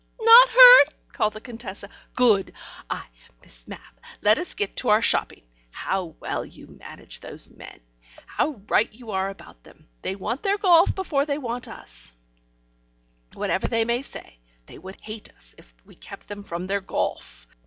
"Not hurt?" called the Contessa. "Good! Ah, Miss Mapp, let us get to our shopping! How well you manage those men! How right you are about them! They want their golf more than they want us, whatever they may say. They would hate us, if we kept them from their golf.